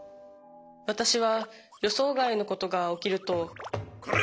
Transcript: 私は予想外のことが起きるとコラ！